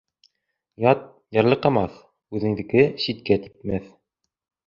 Ят ярлыҡамаҫ, үҙендеке ситкә типмәҫ.